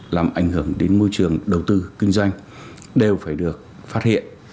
làm ảnh hưởng đến môi trường đầu tư kinh doanh đều phải được phát hiện